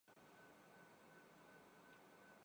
بہم ہوئے تو پڑی ہیں جدائیاں کیا کیا